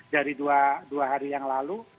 dari dua hari yang lalu